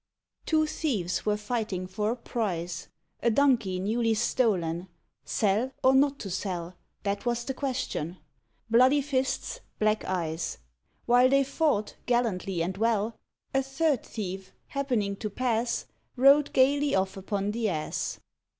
Two Thieves were fighting for a prize, A Donkey newly stolen; sell or not to sell That was the question bloody fists, black eyes: While they fought gallantly and well, A third thief happening to pass, Rode gaily off upon the ass.